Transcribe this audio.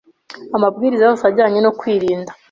amabwiriza yose ajyanye no kwirinda.